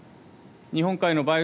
日本海の梅雨